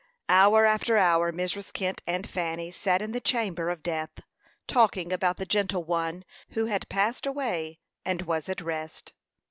Hour after hour Mrs. Kent and Fanny sat in the chamber of death, talking about the gentle one who had passed away, and was at rest.